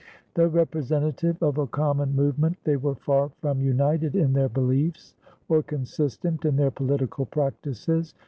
Though representative of a common movement, they were far from united in their beliefs or consistent in their political practices.